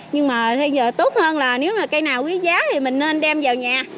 nhưng mà tốt hơn là nếu mà cây nào quý giá thì mình nên đem vào nhà